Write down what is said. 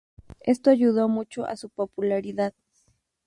Esto ayudó mucho a su popularidad.